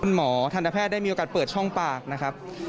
ทันตแพทย์ได้มีโอกาสเปิดช่องปากนะครับ